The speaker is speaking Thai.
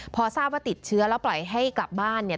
พอทราบว่าติดเชื้อแล้วปล่อยให้กลับบ้านเนี่ย